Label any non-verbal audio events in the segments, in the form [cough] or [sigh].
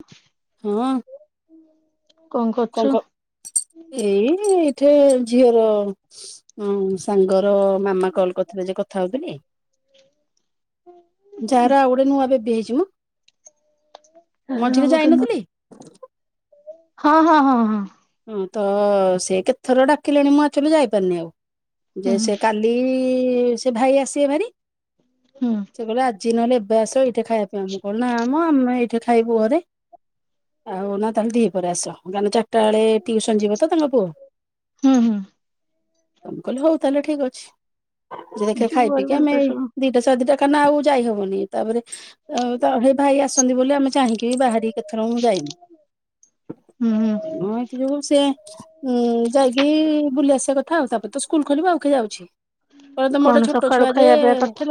[inaudible] ହୁଁ। କଣ କଁ କରୁଛୁ? କ ଏଇ ଏଇଠେ ଝିଅର ଉଁ। ସାଙ୍ଗର ମାମା କଲ୍ କରିଥିଲେ ଯେ କଥା ହଉଥିଲି। ଯାଆର ଆଉ ଗୋଟେ ନୂଆ ବେବି ହେଇଚି ମ। ମଝିରେ ଯାଇନଥିଲି। ହଁ ହଁ ହଁ ହଁ। ମୁଁ ତ ସେ କେତେଥର ଡାକିଲେଣି ମୁଁ ଆକ୍ଚୁଅଆଲି ଯାଇପାରୁନି ଆଉ ଯେ ହୁଁ ସେ କାଲ୍ ଲି ସେ ଭାଇ ଆସିବେ ଭାରି ହୁଁ ସେ କହିଲେ ଆଜି ନହେଲେ ଏବେ ଆସ। ଟେ ଖାଇବା ପାଇଁ ଆମୁକୁ ନା ମ ଆମେ ଠେ ଖାଇବୁ ଘରେ ଆଉ ନା ତାହେଲେ ଦିପହରେ ଆସ ଗାନୁ ଚା ଟାଳେ ଟିଉସନ୍ ଯିବ ତ ତାଙ୍କ ପୁଅ। ହୁଁ ହୁଁ। ମୁଁ କହିଲି ହୋଉ ତାହେଲେ ଠିକ୍ ଅଛି ଯେ ଦେଖେ ଯିବୁ ଖାଇ ଭାରି ପିଇକି ବୁଲିକି ଆମେ ଆସିବୁ ଦି ସାରେଦିଟା ଖାନା ଆଉ ଯାଇ ହବନି ତାପରେ ଆଉ ସେଇ ଭାଇ ଆସୁଛନ୍ତି ବୋଲି ଆମେ ଚାହିଁକି ବି ବାହାରିକି କେତଥର ମୁଁ ଯାଇନି। ହୁଁ ମୁଁ ଏଥି ଯୋଗୁ ସେ ଉଁ ଯାଇକି ବୁଲି ଆସିବା କଥା ଆଉ ତାପରେ ତ ସ୍କୁଲ ଖୋଲିବ ଆଉ କିଏ ଯାଉଚି। କହିଲେ ତମେ କଣ ଗୋଟେ ଛୋଟ ସକାଳୁ ଛୁଆ ଯେ ଖାଇବା ପିଇବା କରିଥିଲ?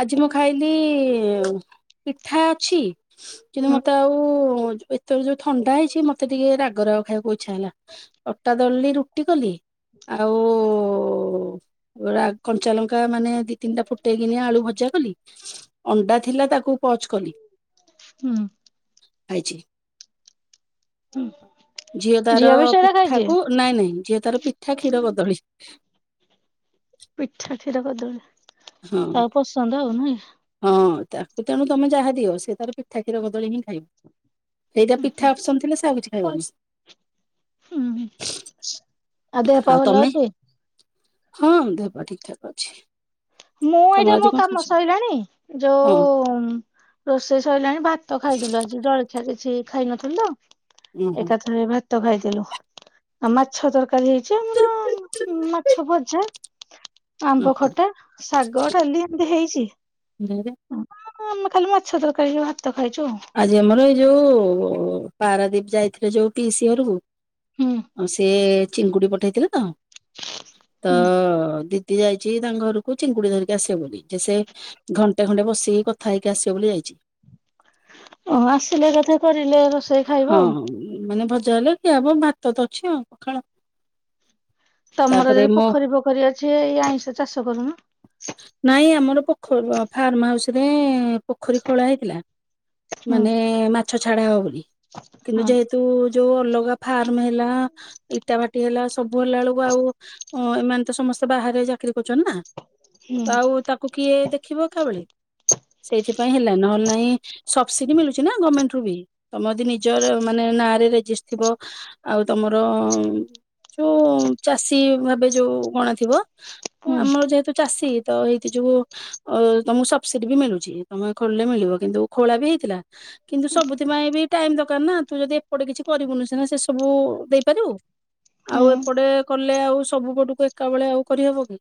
ଆଜି ମୁଁ ଖାଇଲି ପିଠା ଅଛି। କିନ୍ତୁ ହୁଁ ମତେ ଆଉ ଏତବେଳେ ଯୋଉ ଥଣ୍ଡା ହେଇଛି। ମତେ ଟିକେ ରାଗ ରାଗ ଖାଇବାକୁ ଇଚ୍ଛା ହେଲା। ଅଟା ଦଳିଲି ରୁଟି କଲି ଆଉ କଞ୍ଚା ଲଙ୍କା ମାନେ ଦି, ତିନିଟା ଫୁଟେଇକିନି ଆଳୁ ଭଜା କଲି। ଅଣ୍ଡା ଥିଲା ତାକୁ ପଚ୍ କଲି। ହୁଁ। ଆଇଚି। ହୁଁ ଝିଅ ତାର ବି ସେଇରା ଖାଇଛି ପିଠାକୁ ନା ନାଇଁ ଝିଅ ତାର ପିଠା କ୍ଷୀର କଦଳି ପିଠା କ୍ଷୀର କଦଳି ହଁ। ତା ପସନ୍ଦ ନୁହେଁ। ହଁ ତାକୁ ତେଣୁ ତମେ ଯାହା ଦିଅ ସେ ତାର ପିଠା କ୍ଷୀର କଦଳୀ ହିଁ ଖାଇବ। ଏଇଟା ପିଠା ଆପ୍ ସନ୍ ଥିଲେ ସେ ଆଉ କିଛି ଖାଇଵନି। ହୁଁ ଦେହ ପା ଆଉ ଭଲ ତମେ? ଅଛି? ହଁ ଦେହପା ଠିକ୍ ଠାକ୍ ଅଛି। ମୁଁ ତମର ଏଇଠି ଆଜି ମୋ କଣ କାମ ଖାଇଛ? ସଇଲାଣୀ। ହଁ ଯୋଉ ରୋଷେଇ ସଇଲାଣି ଭାତ ଖାଇଦେଲୁ ଆଜି ଜଳଖିଆ କିଛି ଖାଇ ନଥିଲୁ ତ ଉଁ ହୁଁ। ଏକାଥରେ ଭାତ ଖାଇଦେଲୁ। ଆଉ ମାଛ ତରକାରୀ ହେଇଚି ଆମର ମାଛ ଭଜା। ଆମ୍ବ ଖଟା, ଶାଗ, ଡାଲି ଏମତି ହେଇଚି। ଓହୋ ହ ଆମେ ଭଲ ଖାଲି ମାଛ ତରକାରୀ, ଭାତ ଖାଇଛୁ। ଆଜି ଆମର ଏଇ ଯୋଉ ପାରାଦୀପି୍ ଯାଇଥିଲେ ଯୋଉ ପିଇସି ଘରକୁ। ହୁଁ। ସିଏ ଚିଙ୍କୁୁଡି ପଠେଇଥିଲେତ ତ ହୁଁ ଦିି ଦିଯାଇଛି ତାଙ୍କ ଘରକୁ ଚିଙ୍ଗୁଡି ଧରିକି ଆସିବ ବୋଲି ଯେ ସେ ଘଣ୍ଟେ ଖଣ୍ଡେ ବସିକି କଥା ହେଇକି ଆସିବ ବୋଲି ଯାଇଚି। ଓ ହୋ ଆସିଲେ ଏକାଥରେ କରିଲେ ରେସ୍ ହଁ ମାନେ ଭଜା ହେଲେ ଖିଆ ହବ ଭାତ ତ ଅଛି ଆଉ ପଖାଳ। ତମର ତାପରେ ଯଦି ମୋ ପୋଖରୀ ଫୋଖରୀ ଅଛି ଏଇ ଆଇଁଷ ଚାଷ କରୁନ। ନାଇଁ ଆମର ପୋଖରୀ ଫାର୍ମ ହାଉସୁ ରେ ପୋଖରୀ ଖୋଳା ହେଇଥିଲା। ହୁଁ ମାନେ ମାଛ ଛାଡା ହବ ବୋଲି କିନ୍ତୁ ହଁ ଯେହେତୁ ଯୋଉ ଅଲଗା ଫାର୍ମ ହେଲା ଇଟା ଭାଟି ହେଲା। ସବୁ ହେଲା ବେଳକୁ ଆଉ ଏମାନେ ତ ସମସ୍ତେ ବାହାରେ ଚାକିରି କରୁଚନ୍ତି ନା। ହୁଁ। ତ ଆଉ ତାକୁ କିଏ ଦେଖିବ ଏକା ଵେଳେ। ସେଇଥିପାଇଁ ହେଲା ନହେଲେ ନାଇଁ ସବସିଡି ମିଳୁଛି ନା ଗମେଣ୍ଟେରୁୁ ବି। ତମ ଅଦି ନିଜର ମାନେ ନାଁରେ ରେଜିଷ୍ଟ୍ ଥିବ ଆଉ ତମର ଯୋଉ ଚାଷୀ ଭାବେ ଯୋଉ ଗଣା ଥିବ ଓ ହୁଁ ଆମର ଯେହେତୁ ଚାଷୀ ତ ଏଇତି ଯୋଗୁ ଅ ତମକୁ ସବସିଡି ବି ମିଳୁଚି ତମେ ଖୋଳିଲେ ମିଳିବ କିନ୍ତୁ ଖୋଳା ବି ହେଇଥିଲା। କିନ୍ତୁ ସବୁଥିପାଇଁ ବି ଟାଇମ ଦରକାର ନା ତୁ ଯଦି ଏପଟେ କିଛି କରିବୁନି ସିନା ସେ ସବୁ ଦେଇପାରିବୁ। ଆଉ ହୁଁ। ଏପଟେ କଲେ ଆଉ ସବୁ ପଟୁକୁ ଏକା ବେଳେ ଆଉ କରିହେବ କି।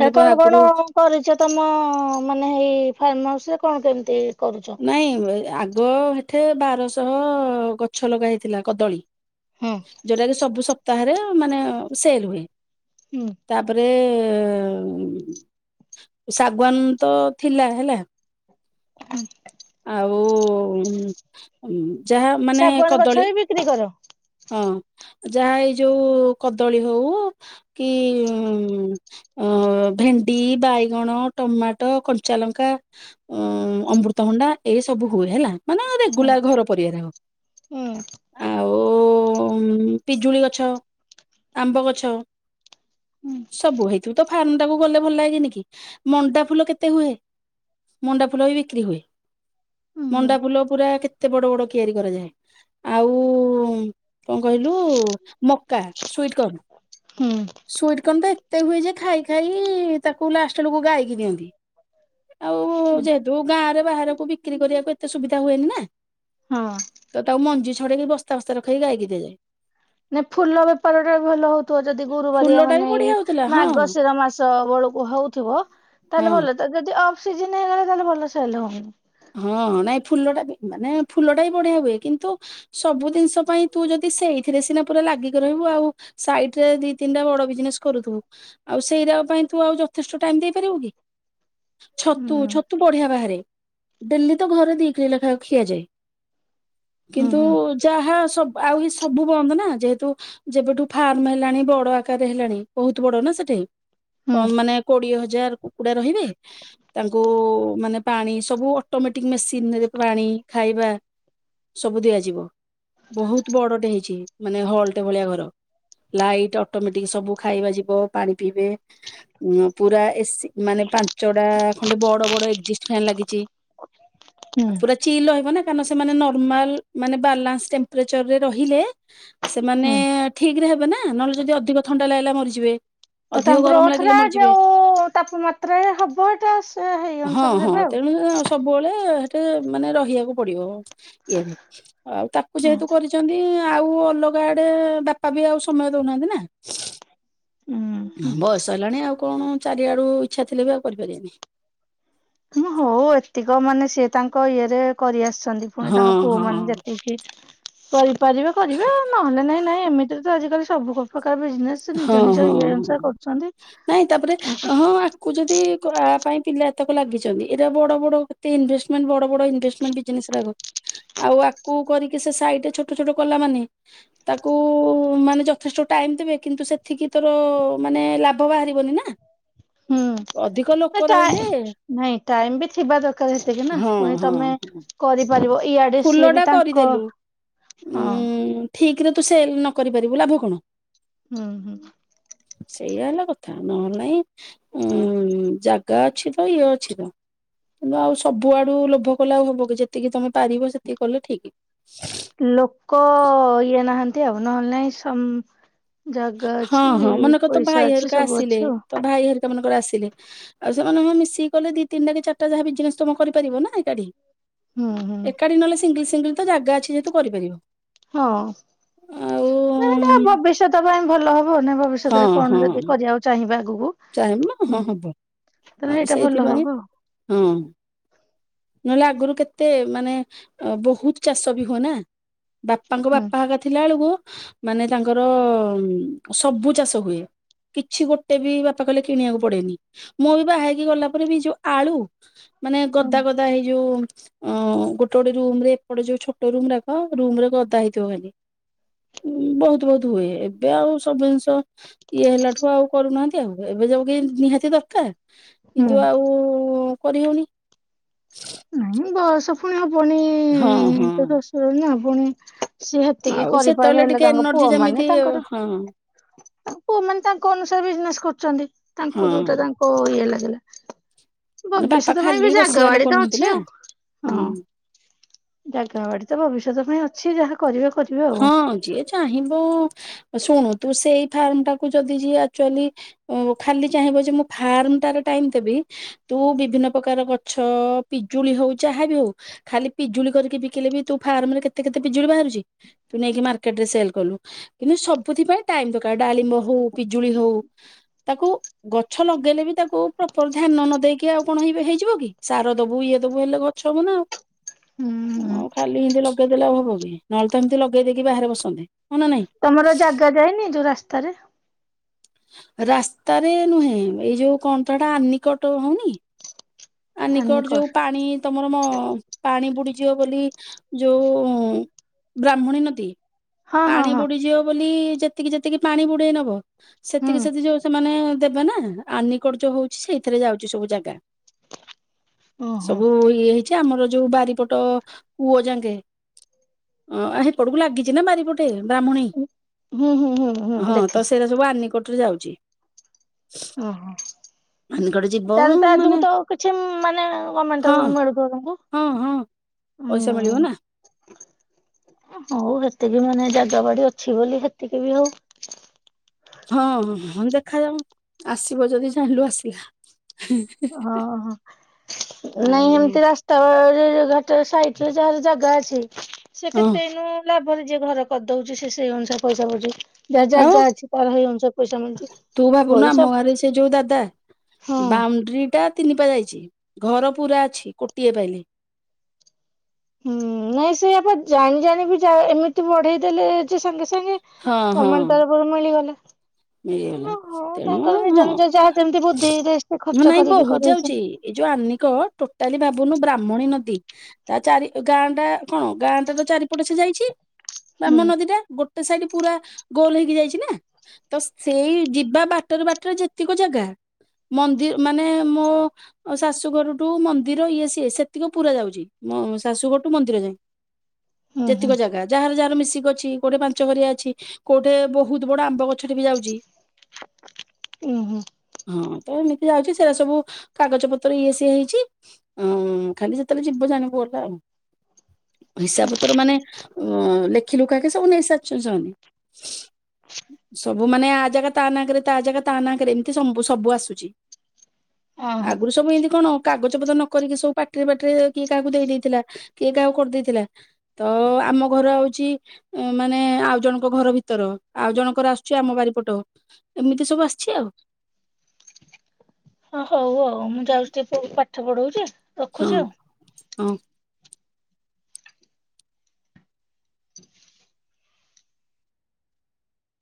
ତା ବା କଣ କଣ ଆଗରୁ କରିଛ ତମ ମାନେ ହେଇ ଫାର୍ମହାଉସରେ କଣ କେମିତି କରୁଚ? ନାଇଁ ଆଗ ହେଠି ବାରଶହ ଗଛ ଲଗା ହେଇଥିଲା କଦଳୀ। ହୁଁ ଯୋଉଟାକି ସବୁ ସପ୍ତାହରେ ମାନେ ସେଲ ହୁଏ। ହୁଁ ତାପରେ ଏ ଶାଗୁଆନ ତ ଥିଲା ହେଲା। ଆଉ ଉଁ ଉଁ ଯାହା ଶାଗୁଆନ ଗଛ ବି ବିକ୍ରି କର? ହଁ ଯାହା ଏଇ ଯୋଉ କଦଳୀ ହୋଉ କି ଅ ଭେଣ୍ଡି, ବାଇଗଣ, ଟମାଟ, କଞ୍ଚାଲଙ୍କା ଅଁ ଅମୃତଭଣ୍ଡା ଏସବୁ ହୁଏ ହେଲା ମାନେ ଆଉ ରେଗୁଲାର ଘର ପରିବାର ହେଉ। ଉଁ। ଆଉ ଉଁ ପିଜୁଳି ଗଛ ଆମ୍ବ ଗଛ ହୁଁ ସବୁ ହେଇଥିବ ତ ଫାର୍ମଟାକୁ ଗଲେ ଭଲ ଲାଗେନି କି ମଣ୍ଡା ଫୁଲ କେତେ ହୁଏ। ମଣ୍ଡା ଫୁଲ ବି ବିକ୍ରି ହୁଏ। ମଣ୍ଡା ଫୁଲ ପୁରା କେତେ ବଡ ବଡ କିଆରି କରାଯାଏ ଆଉ ଉଁ କଣ କହିଲୁ ମକା ସୁଇଟ୍ କର୍ନ ହୁଁ। ସୁଇଟ୍ କନ୍ ତ ଏତେ ହୁଏ ଯେ ଖାଇ ଖାଇ ତାକୁ ଲାଷ୍ଟ ଏଳୁକୁ ଗାଇକି ଦିଅନ୍ତି। ଆଉ ଯେହେତୁ ଗାଁରେ ବାହାରକୁ ବିକ୍ରି କରିବାକୁ ଏତେ ସୁବିଧା ହୁଏନି ନା ହଁ। ତ ତାକୁ ମଞ୍ଜି ଛଡେଇକି ବସ୍ତା ବସ୍ତା ରଖେଇକି ଗାଇକି ଦିଆଯାଏ। ନାଇଁ ଫୁଲ ବେପାରଟା ବି ଭଲ ହୋଉଥୁବ ଯଦି ଫୁଲ ଗୁରୁବାରିଆ ଟା ବି ମାନେ ଏଇ ବଢିଆ ହଉଥିଲା ହଁ ମାର୍ଗଶିର ମାସ ବେଳକୁ ହୋଉଥୁବ ତାହେଲେ ହଁ। ଭଲ ଯଦି ଅଫ୍ ସିଜନ ହେଇଗଲା ତାହେଲେ ଭଲ ସେଲ ହୋଉନି। ହଁ ହଁ ନାଇଁ ଫୁଲଟା ବି ମାନେ ଫୁଲଟା ବି ବଢିଆ ହୁଏ କିନ୍ତୁ ସବୁ ଦିନଷ ପାଇଁ ତୁ ଯଦି ସେଇଥିରେ ସିନା ପୁରା ଲାଗିକି ରହିବୁ ଆଉ ସାଇଟରେ ଦି ତିନଟା ବଡ ବିଜନେସ କରୁଥିବୁ। ଆଉ ସେଇରାକ ପାଇଁ ତୁ ଆଉ ଯଥେଷ୍ଟ ଟାଇମ ଦେଇପାରିବୁ କି? ହୁଁ ଛତୁ ଛତୁ ବଢିଆ ବାହାରେ। ଡେଲି ତ ଘରେ ଦି କିଲ ଲେଖା ଖିଆଯାଏ ହୁଁ କିନ୍ତୁ ହୁଁ ଯାହା ସବ ଆଉ ଏ ସବୁ ବନ୍ଦ ନା ଯେହେତୁ ଯେବେଠୁ ଫାର୍ମ ହେଲାଣି ବଡ ଆକାରରେ ହେଲାଣି ବୋହୁତ ବଡ ନା ସେଠି ତ ହୁଁ ମାନେ କୋଡିଏ ହଜାର କୁକୁଡା ରହିବେ ତାଙ୍କୁ ମାନେ ପାଣି ସ୍ ସବୁ ଅଟୋମେଟିକ ମେସିନରେ ପାଣି ଖାଇବା ସବୁ ଦିଆଯିବ। ବୋହୁତ ବଡଟେ ହେଇଚି ମାନେ ହଲଟେ ଭଳିଆ ଘର। ଲାଇଟ୍ ଅଟୋମେଟିକ ସବୁ ଖାଇବା ଯିବ ପାଣି ପିଇବେ ଉଁ ପୁରା ଏ ସି ମାନେ ପାଞ୍ଚଟା ଖଣ୍ଡେ ବଡ ବଡ ଏଗଜିଷ୍ଟ୍ ଫ୍ୟାନ୍ ଲାଗିଚି। ହୁଁ ପୁରା ଚିଲ୍ ରହିବ ନା କାରଣ ସେମାନେ ନର୍ମାଲ ମାନେ ବାଲାନ୍ସତେମ୍ପର୍ଚରେ ରହିଲେ ସେମାନେ ହୁଁ ଠିକ ରେ ହେବେ ନା ନହେଲେ ଯଦି ଅଧିକ ଥଣ୍ଡା ଲାଗିଲା ମରିଯିବେ। ଆଉ ଅଧିକ ତାଙ୍କର ଗରମ ଲାଗିଲେ [unintelligible] ମରିଯିବେ। ଯୋଉ ତାପମାତ୍ରାରେ ହବ ଏଇଟା ସେ ହେଇ ହଁ ଅନୁସାରେ ହଁ ଦେବେ ଆଉ। ତେଣୁ ସବୁବେଳେ ସେଠେ ମାନେ ରହିବାକୁ ପଡିବ ଇଏରେ। ଆଉ ତାକୁ ହୁଁ ଯେହେତୁ କରିଚନ୍ତି ଆଉ ଅଲଗା ଆଡେ ବାପା ବି ଆଉ ସମୟ ଦଉନାହାନ୍ତି ନା। ହୁଁ ବୟସ ହେଲାଣି ଆଉ କଣ ଚାରିଆଡୁ ଇଚ୍ଛା ଥିଲେ ବି ଆଉ କରିପାରିବାନି। ହୁଁ ହଉ ଏତିକ ମାନେ ସିଏ ତାଙ୍କ ଇଏରେ କରିଆସିଛନ୍ତି ପୁଣି ହଁ ତାଙ୍କ ପୁଅ ହଁ। ମାନେ ଯେତିକି କରିପାରିବେ କରିବେ ନହେଲେ ନାଇଁ ନାଇଁ ଏମିତି ତ ଆଜିକାଲି ସବୁ ପ୍ରକାର ବିଜନେସ ହଁ ନିଜ ନିଜ ହଁ ଇଏ ହଁ। ଅନୁସାରେ କରୁଛନ୍ତି। ନାଇଁ ତାପରେ ହଁ କୁ ଯଦି କରଆ ପାଇଁ ପିଲା ଏତକ ଲାଗିଚନ୍ତି ଏଇଟା ବଡ ବଡ କେତେ ଇନଭେଷ୍ଟ ମାନେ ବଡ଼ ବଡ଼ ଇଭେଷ୍ଟମେଣ୍ଟ ବିଜନେସ ଇରାକ ଆଉ ଆ କୁ କରିକି ସେ ସାଇଡରେ ଛୋଟ ଛୋଟ କଲା ମାନେ ତାକୁ ମାନେ ଯଥେଷ୍ଟ ଟାଇମ ଦେବେ। କିନ୍ତୁ ସେତିକି ତୋର ମାନେ ଲାଭ ବାହାରିବନି ନା। ହୁଁ ଅଧିକ ଲୋକ ରହିଲେ ନାଇଁ ଟାଇମ ବି ଥିବା ଦରକାର ହେକି ନା ହଁ ପୁଣି ହଁ ତମେ ହଁ। କରି କରିବ ଇଆଡେ ସିଏ ଫୁଲଟା ବି ତାଙ୍କ ହଁ। ଠିକ ରେ ତୁ ସେଲ ନ କରିପାରିବୁ ଲାଭ କଣ? ହୁଁ ହୁଁ। ସେଇଆା ହେଲା କଥା, ନହେଲେ ନାଇଁ ଉଁ ଜାଗା ଅଛି ତ ଇଏ ଅଛି ତ। କିନ୍ତୁ ଆଉ ସବୁଆଡୁ ଲୋଭ କଲେ ଆଉ ହବ କି ଯେତିକି ତମେ ପାରିବ ସେତିକି କଲେ ଠିକ। ଲୋକ ଇଏ ନାହାନ୍ତି ଆଉ, ନହେଲେ ନାଇଁ ସମ ଜାଗା ହଁ ଅଛି, ପଇସା ଅଛି, ସବୁ ଅଛି ଆଉ। ତ ଭାଇ ହେରିକା ମାନଙ୍କର ଆସିଲେ ଆଉ ସେମାନେ ମିଶିକିକଲେ ଦି ତିନଟା କି ଚାରଟା ଜାହା ବିିନେସ ତମ କରିପାରିବ ନା ଏକାଠି। ହୁଁ ହୁଁ ଏକାଠି ନହେଲେ ସିଙ୍ଗଲ, ସିଙ୍ଗଲ ତ ଜାଗା ଅଛି ଯେହେତୁ କରିପାରିବ। ହଁ। ଆଉ ନା ହେଟା ଭବିଷ୍ୟତ ପାଇଁ ଭଲ ହବ। [unintelligible] ଭବିଷ୍ୟତରେ କଣ ଯଦି କରିବାକୁ ଚାହିଁ ଆଗକୁ ଚାହିବି ହଁ ହୁଁ ହବ ତାହେଲେ ଆଉ ଏଇଟା ଭଲ ସେଇଥିପାଇଁ ହବ ହଁ। ନହେଲେ ଆଗରୁ କେତେ ମାନେ ବହୁତ ଚାଷ ବି ହୁଏ ନା। ବାପାଙ୍କ ଆଉ ବାପା ହକା ଥିଲା ବେଳକୁ ମାନେ ତାଙ୍କର ସବୁ ଚାଷ ହୁଏ। କିଛି ଗୋଟେ ବି ବା ପାଖଲେ କିଣିବାକୁ ପଡେନି। ମୁଁ ବି ବାହାହେଇକି ଗଲା ପରେ ବି ଯୋଉ ଆଳୁ ମାନେ ହୁଁ ଗଦା ଗଦା ହେଇ ଯୋଉ ଅଁ ଗୋଟେ ଗୋଟେ ରୁମ ରେ ଏପଟେ ଯୋଉ ଛୋଟ ରୁମ ରାକ ରୁମ ରେ ଗଦା ହେଇଥିବ ଖାଲି। ଉ ବହୁତ ବହୁତ ହୁଏ, ଏବେ ଆଉ ସବୁ ଜିନିଷ ଇଏ ହେଲାଠୁ ଆଉ କରୁନାହାନ୍ତି ଆଉ। ଏବେ ଯଉ କି ନିହାତି ଦରକାର ହୁଁ କିନ୍ତୁ ଆଉ କରିହଉନି। [unintelligible] ନାଇଁ ବୟସ ପୁଣି ହବନି ହଁ ହଁ। ନା ପୁଣି ସେ ହେତିକି ଆଉ କରିପାରିଲେ ସେତେବେଳେ ହେଲେ ଟିକେ ତାଙ୍କ ଏନର୍ଜି ପୁଅ ଯେମିତି ମାନେ ତାଙ୍କର ହଁ ତା ପୁଅ ମାନେ ତାଙ୍କ ଅନୁସାରେ ବିଜନେସ କରୁଚନ୍ତି। ତାଙ୍କୁ ହଁ। ଯୋଉଟା ତା ଙ୍କ ଇଏ ଲାଗିଲା। ଭବିଷ୍ୟତ ପାଇଁ ବି ଜାଗା ବାଡି ତ ନ୍ତି ଅଛି ନା ଆଉ ହୁଁ। ହଁ ଜାଗା ବାଡି ତ ଭବିଷ୍ୟତ ପାଇଁ ଅଛି ଯାହା କରିବେ କରିବେ। ଆଉ ହଁ ଯିଏ ଚାହିଁବ ଶୁଣୁ ତୁ ସେଇ ଫାର୍ମ ଟାକୁ ଯଦି ଯିଏ ଆକ୍ଚୁଆଲି ଉଁ ଖାଲି ଚାହିଁବ ଯେ ମୁଁ ଫାର୍ମ ଟାରେ ଟାଇମ ଦେବି। ତୁ ବିଭିନ୍ନ ପକାର ଗଛ, ପିଜୁଳି ହଉ ଯାହା ବି ହଉ ଖାଲି ପିଜୁଳି କରିକି ବିକିଲେ ବି ତୁ ଫାର୍ମରେ କେତେ କେତେ ପିଜୁଳି ବାହାରୁଚି? ତୁ ନେଇକି ମାର୍କେଟେରେ ସେଲ୍ କଲୁ। କିନ୍ତୁ ସବୁଥି ପାଇଁ ଟାଇମ ଦରକାର ଡାଳିମ୍ବ ହଉ, ପିଜୁଳି ହଉ, ତାକୁ ଗଛ ଲଗେଇଲେ ବି ତାକୁ ପ୍ରପର ଧ୍ୟାନ ନ ଦେଇକି ଆଉ କଣ ହିବେ ହେଇଯିବ କି ସାର ଦବୁ ଇଏ ଦବୁ ହେଲେ ଗ ଛ ହବ ନା ଆଉ। ହୁଁ ହୁଁ। ଆଉ ଖାଲି ଏନ୍ତି ଲଗେଇଦେଲେ ଆଉ ହବ କି ନହେଲେ ତ ଏମତି ଲଗେଇ ଦେଇକି ବାହାରେ ବସନ୍ତେ ହଁ ନା ନାଇଁ? ତମର ଜାଗା ଯାଇନି ଯୋଉ ରାସ୍ତାରେ। ରାସ୍ତାରେ ନୁହେଁ ଏଇ ଯୋଉ କଣ ତ ଏଟା ଆନିକଟ ହଉନି? ଆନିକଟ ଆନିକର ଯୋଉ ପାଣି ତମର ମ ପାଣି ବୁଡିଯିବ ବୋଲି ଯୋଉ ବ୍ରାହ୍ମଣୀ ନଦୀ ହଁ ହଁ ପାଣି ହଁ ବୁଡିଯିବ ବୋଲି ଯେ ତିକି ଯେତିକି ପାଣି ବୁଡେଇ ନବ ହୁଁ ସେତିକି ସେତି ଯୋଉ ସେମାନେ ଦେବେ ନା ଆନିକଟ ଯୋଉ ହଉଚି ସେଇଥିରେ ଯାଉଚି ସବୁ ଜାଗା। ଓହୋ ଛି ଆମର ଯୋଉ ବାରିପଟ କୂଅ ଯାଙ୍କେ ଅଁ ହେପଟୁକୁ ଲାଗିଚି ନା ବାରିପ ଟେ ବ୍ରାହ୍ମୁଣୀ ହୁଁ ହୁଁ ହୁଁ ହୁଁ ହଁ ତ ଦେଖିଛି ସେଇରା ସବୁ ଆନିକଟରେ ଯାଉଚି। ଓହୋ ଆନିକଟ ଯିବ ତାହେଲେ ତା ଯୋଗୁ ମାନେ ତ କିଛି ମାନେ ଗମେଣ୍ଟ ହଁ ତାକୁ ହଁ ହଁ [unintelligible] ପଇସା ମିଳିବ ହୁଁ। ନା ଏ ହଉ ହେତିକି ମାନେ ଜାଗା ବାଡି ଅଛି ବୋଲି ହେତିକି ବି ହଉ। ହଁ ହଁ ହଁ ହଁ ଦେଖାଯାଉ ଆସିବ ଯଦି ଜାଣିଲୁ ଆସିଲା। ଅ ହ ନାଇଁ ଆଉ ଏମତି ରାସ୍ ତା ଯେ ଯୋଉ ଘାଟ ସାଇଟରେ ଯାହାର ଜାଗା ଅଛି ସେ ହଁ କେତେ ଏଇନୁ ଲାଭରେ ଯିଏ ଘର କରିଦଉଚି ସିଏ ସେଇ ଅନୁସାରେ ପଇସା ପାଉଚି ଯାର ଆଉ ଜାଗା ଅଛି ତାର ସେଇ ଅନୁସାରେ ପଇସା ମିଳୁଚି। ତୁ ଭାବୁନୁ ଆମ ଗାଁରେ ସେ ଯୋଉ ଦାଦା ହଁ। ବାଉଣ୍ଡ୍ରି ଟା ତିନି ପା ଯାଇଛି ଘର ପୁରା ଅଛି କୋଟିଏ ପାଇଲେ। ହୁଁ ନାଇଁ ସେଇଆ ବା ଜାଣି ଜାଣି ବି ଜା ଏମିତି ବଢେଇ ଦେଲେ ଯେ ସାଙ୍ଗେ ସାଙ୍ଗେ ହଁ ହଁ ଗମେଣ୍ଟ ତରଫରୁ ମିଳିଗଲେ। ମିଳିଗଲା ଓ ହୋ ତେଣୁ ତାଙ୍କର ନିଜ ନିଜ ଯାହା ଯେମତି ବୁଦ୍ଧିରେ ସେ ହଁ ଖର୍ଚ୍ଚ ନାଇଁ କରିକି ବହୁତ ଯାଉଛି କରେଇଛନ୍ତି। ଏଇ ଯୋଉ ଆନିକ ଟୋଟାଲି ଭାବୁନୁ ବ୍ରାହ୍ମଣୀ ନଦୀ ତା ଚାରି ଗାଁ ଟା କଣ ଗାଁ ଟାର ଚାରିପଟେ ସେ ଯାଇଛି। ହୁଁ ବ୍ରହ୍ମଣୀ ନଦୀ ଟା ଗୋଟେ ସାଇଡ ପୁରା ଗୋଲ ହେଇକି ଯାଇଚି ନା। ତ ସେଇ ଯିବା ବାଟରେ ବାଟରେ ଯେତିକ ଜାଗା ମନ୍ଦି ମାନେ ମୋ ଆଉ ଶାଶୁଘରଠୁ ମନ୍ଦିର ଇଏ ସିଏ ସେତିକ ପୁରା ଯାଉଚି ଶାଶୁଘର ଟୁ ମନ୍ଦିର ଯାଏଁ। ହ [inaudible] ଯେତିକ ଜାଗା ଯାହାର ଯାହାର ମିଶିକି ଅଛି କୋଉଠି ପାଞ୍ଚ ଘରିଆ ଅଛି କୋଉଠି ବହୁତ ବଡ ଆମ୍ବ ଗ ଛ ଟେ ବି ଯାଉଚି। ଉଁ ହୁଁ। ହଁ ତ ଏମିତି ଯାଉଛି ସେଇରା ସବୁ କାଗଜ ପତ୍ର ଇଏ ସିଏ ହେଇଛି। ଅଁ ଖାଲି ଯେତେବେଳେ ଯିବ ଜାଣିବୁ ଗଲା ଆଉ। ହିସାବ ପତ୍ର ମାନେ ଅ ଲେଖି ଲୁଖାକେ ସବୁ ନେଇ ସାରିଚନ୍ତି ସେମାନେ। ସବୁ ମାନେ ଆ ଜାଗା ତା ନାଁ କାରେ ତା ଜାଗା ତା ନାଁ କାରେ ଏମତି ସମ୍ବୁ ସବୁ ଆସୁଚି। ଅ ହ। ଆଗୁରୁ ସବୁ ଏନ୍ତି କଣ କାଗଜ ପତ୍ର ନକରିକି ସବୁ ପାଟରେ ପାଟିରେ କିଏ କାହାକୁ ଦେଇଥିଲା, କିଏ କାହାକୁ କରିଦେଇଥିଲା ତ ଆମ ଘର ହଉଛି ମାନେ ଆଉ ଜଣଙ୍କ ଘର ଭିତର ଆଉ ଜଣଙ୍କର ଆସୁ ଚି ଆମ ବାରିପଟ, ଏମିତି ସବୁ ଆସିଛି ଆଉ। ହଁ ହଉ ଆଉ। ମୁଁ ଯାଉଛି ଟିକେ ପୁଅକୁ ପାଠ ପଢଉଛି ହଁ, ରଖୁଛି ଆଉ। ହଁ।